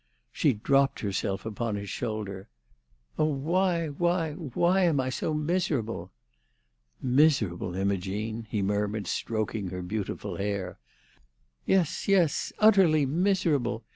She dropped herself upon his shoulder. "Oh, why, why, why am I so miserable?" "Miserable, Imogene!" he murmured, stroking her beautiful hair. "Yes, yes! Utterly miserable!